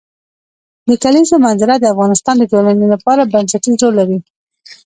د کلیزو منظره د افغانستان د ټولنې لپاره بنسټيز رول لري.